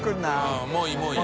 Δもういいもういい。